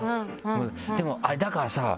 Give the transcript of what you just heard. でもあれだからさ